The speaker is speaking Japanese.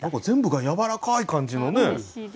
全部がやわらかい感じのね